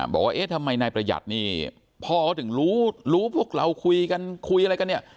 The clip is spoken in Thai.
บอกว่าเอ๊ะทำไมนายประหยัดนี่พ่อเขาถึงรู้พวกเราคุยกันคุยอะไรกันเนี่ย